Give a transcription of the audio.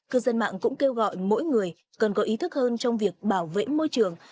cư dân mạng cũng kêu gọi mỗi người cần có ý thức hơn trong việc bảo vệ môi trường